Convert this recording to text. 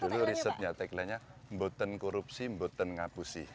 dulu risetnya taglinenya mboten korupsi mboten ngapusi